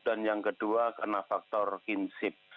dan yang kedua karena faktor kinship